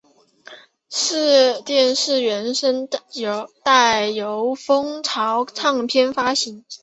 电视原声带由风潮唱片发行。